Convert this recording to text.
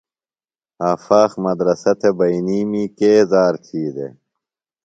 آفاق مدرسہ تھےۡ بئینیمی کے ذار تھی دےۡ؟